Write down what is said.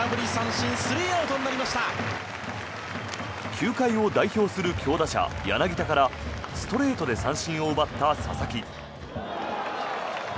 球界を代表する強打者柳田からストレートで三振を奪った佐々木。